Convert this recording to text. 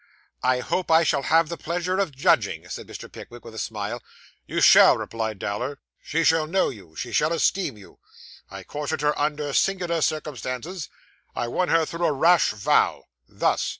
'I hope I shall have the pleasure of judging,' said Mr. Pickwick, with a smile. 'You shall,' replied Dowler. 'She shall know you. She shall esteem you. I courted her under singular circumstances. I won her through a rash vow. Thus.